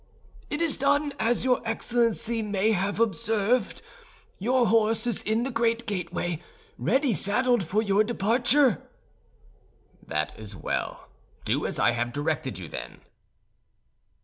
"It is done; as your Excellency may have observed, your horse is in the great gateway, ready saddled for your departure." "That is well; do as I have directed you, then."